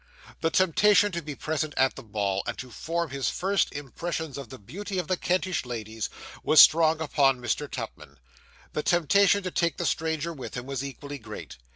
The temptation to be present at the ball, and to form his first impressions of the beauty of the Kentish ladies, was strong upon Mr. Tupman. The temptation to take the stranger with him was equally great.